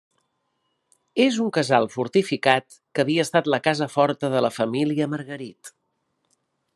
És un casal fortificat que havia estat la casa forta de la família Margarit.